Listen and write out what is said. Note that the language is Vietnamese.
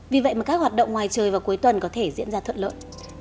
vì vậy mà các hoạt động ngoài trời vào cuối tuần có thể diễn ra thuận lợi